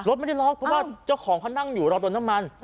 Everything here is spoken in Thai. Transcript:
ไม่ได้ล็อกเพราะว่าเจ้าของเขานั่งอยู่รอโดนน้ำมัน